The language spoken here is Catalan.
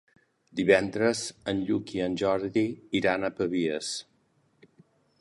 Divendres en Lluc i en Jordi iran a Pavies.